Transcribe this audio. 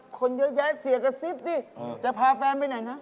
คนเยอะแยะเสียกระซิบดิจะพาแฟนไปไหนคะ